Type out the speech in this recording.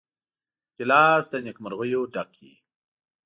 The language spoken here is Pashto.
ګیلاس له نیکمرغیو ډک وي.